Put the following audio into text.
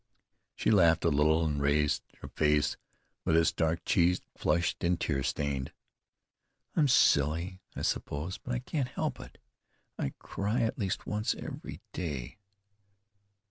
She laughed a little, and raised a face with its dark cheeks flushed and tear stained. "I'm silly, I suppose; but I can't help it. I cry at least once every day."